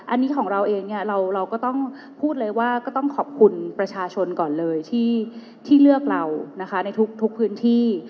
อันนี้ของเราเองเนี่ยเราก็ต้องพูดเลยว่าก็ต้องขอบคุณประชาชนก่อนเลยที่เลือกเรานะคะในทุกพื้นที่